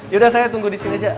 yaudah saya tunggu di sini aja